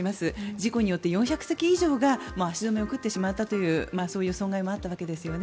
事故によって４００隻以上が足止めを食ってしまったというそういう損害もあったわけですよね。